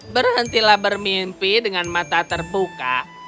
berhentilah bermimpi dengan mata terbuka